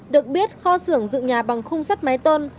được biết kho xưởng dự nhà bằng không sắt máy tôn